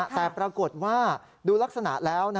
แต่ปรากฏว่าดูลักษณะแล้ว